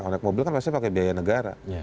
naik mobil kan pasti pakai biaya negara